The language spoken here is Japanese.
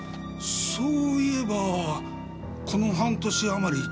そういえばこの半年あまり女性の方が。